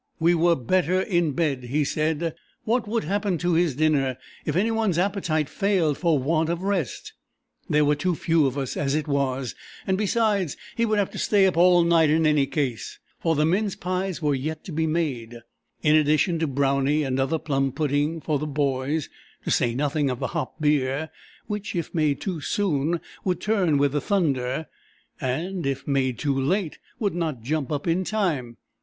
"We were better in bed," he said. What would happen to his dinner if any one's appetite failed for want of rest? There were too few of us as it was, and, besides, he would have to stay up all night in any case, for the mince pies were yet to be made, in addition to brownie and another plum pudding for the "boys," to say nothing of the hop beer, which if made too soon would turn with the thunder and if made too late would not "jump up" in time.